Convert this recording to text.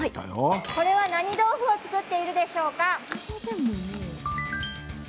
これは何豆腐を作っているでしょうか？